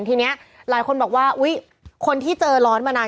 ทีนี้หลายคนบอกว่าอุ๊ยคนที่เจอร้อนมานาน